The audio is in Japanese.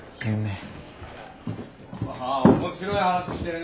面白い話してるね。